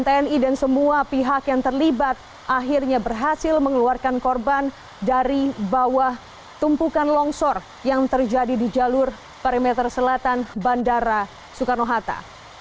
tni dan semua pihak yang terlibat akhirnya berhasil mengeluarkan korban dari bawah tumpukan longsor yang terjadi di jalur perimeter selatan bandara soekarno hatta